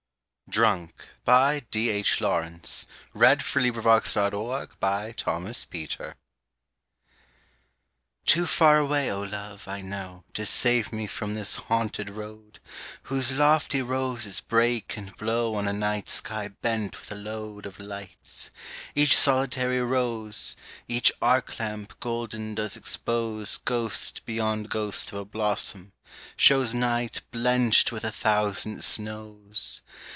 hat watch for ever earnestly from behind the window glass. DRUNK Too far away, oh love, I know, To save me from this haunted road, Whose lofty roses break and blow On a night sky bent with a load Of lights: each solitary rose, Each arc lamp golden does expose Ghost beyond ghost of a blossom, shows Night blenched with a thousand snows.